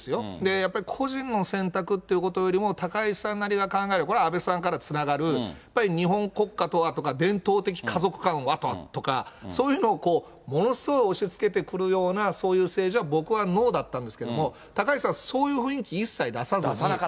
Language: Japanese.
やっぱり、個人の選択っていうことよりも高市さんなりが考える、これは安倍さんからつながる、やっぱり日本国家とはとか、伝統的家族観はとか、そういうのをものすごい押しつけてくるような、そういう政治は僕はノーだったんですけども、高市さんはそういう雰囲気一切出さずに。